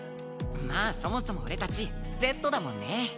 まあそもそも俺たちＺだもんね。